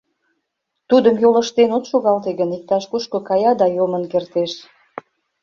— Тудым йолыштен от шогалте гын, иктаж-кушко кая да йомын кертеш.